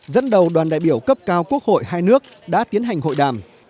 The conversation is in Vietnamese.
dẫn đầu đoàn đại biểu cấp cao quốc hội hai nước đã tiến hành hội đàm